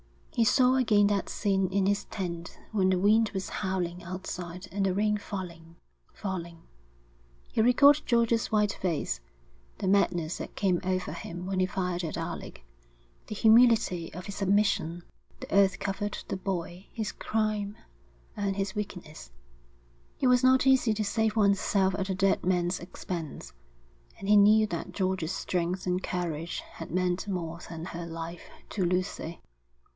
He saw again that scene in his tent when the wind was howling outside and the rain falling, falling; he recalled George's white face, the madness that came over him when he fired at Alec, the humility of his submission. The earth covered the boy, his crime, and his weakness. It was not easy to save one's self at a dead man's expense. And he knew that George's strength and courage had meant more than her life to Lucy.